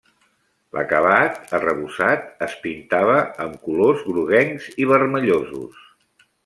L'acabat, arrebossat es pintava amb colors groguencs i vermellosos.